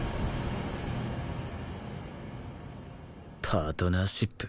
パートナーシップ？